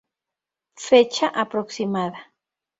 Fecha aproximada